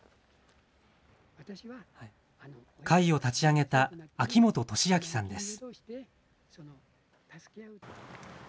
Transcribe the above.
会を立ち上げた秋本敏明さんです。